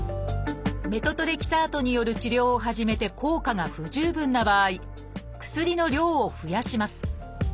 メトトレキサートによる治療を始めて効果が不十分な場合薬の量を増やします。